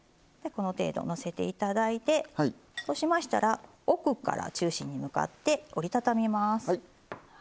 この程度のせていただいてそうしましたら奥から中心に向かって折り畳みます。